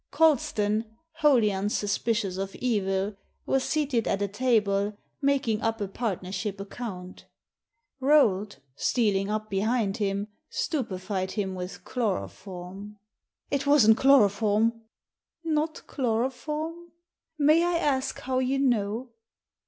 Colston, wholly unsuspicious of evil, was seated at a table, making up a partnership account Rolt, stealing up behind him, stupefied him with chloroform." •* It wasn't chloroform." " Not chloroform ? May I ask how you know